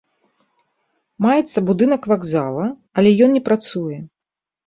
Маецца будынак вакзала, але ён не працуе.